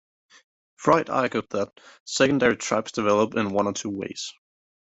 Fried argued that secondary tribes develop in one of two ways.